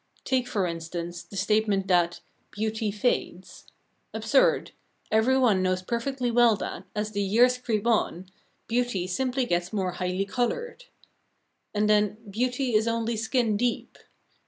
Take, for instance, the statement that "beauty fades." Absurd; everyone knows perfectly well that, as the years creep on, beauty simply gets more highly coloured. And then, "beauty is only skin deep."